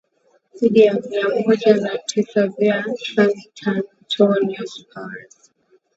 dhidi ya mia moja na tisa vya santantonio spurs